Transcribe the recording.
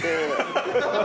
ハハハハ！